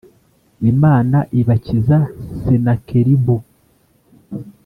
Imana ibakiza Senakeribu